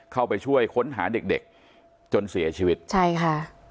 เข้าไปช่วยค้นหาเด็กเด็กจนเสียชีวิตใช่ค่ะ